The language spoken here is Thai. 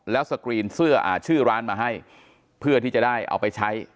แล้วสกรีนเสื้อชื่อร้านมาให้เพื่อที่จะได้เอาไปใช้